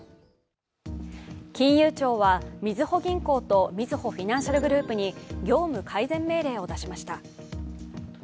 金融庁はみずほ銀行とみずほフィナンシャルグループに業務改善命令を出しました。